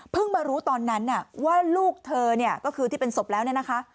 มารู้ตอนนั้นว่าลูกเธอเนี่ยก็คือที่เป็นศพแล้วเนี่ยนะคะ